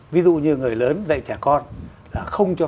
ví dụ như người lớn dạy trẻ con